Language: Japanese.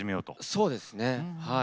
そうですねはい。